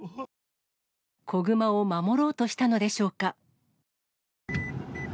子熊を守ろうとしたのでしょうか。